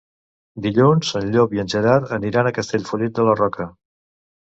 Dilluns en Llop i en Gerard aniran a Castellfollit de la Roca.